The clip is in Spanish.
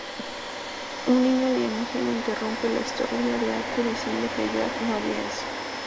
Un niño alienígena interrumpe la historia de Aku diciendo que Jack no haría eso.